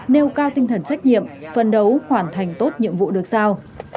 nêu cao tinh thần trách nhiệm phân đấu hoàn thành tốt nhiệm vụ được sao